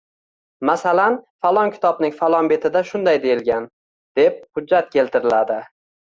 Masalan, falon kitobning falon betida shunday deyilgan, deb hujjat keltiriladi.